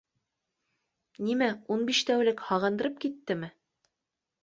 Нимә, ун биш тәүлек һағындырып киттеме?